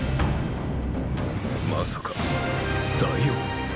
まさか大王。